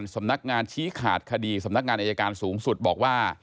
สำนักงานชี้ขาดคดีสำนักงานอายการสูงสุดบอกว่า